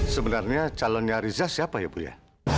sebenarnya calonnya riza siapa ya buya